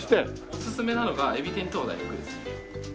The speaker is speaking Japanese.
おすすめなのがえび天と大福ですね。